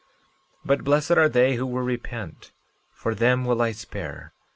13:13 But blessed are they who will repent, for them will I spare.